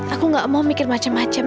aku gak mau mikir macem macem